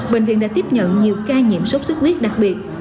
bệnh viện đã tiếp nhận nhiều ca nhiễm sốt xuất huyết đặc biệt